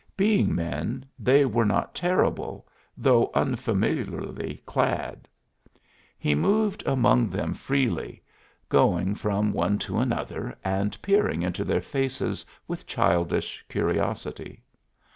Being men, they were not terrible, though unfamiliarly clad. He moved among them freely, going from one to another and peering into their faces with childish curiosity.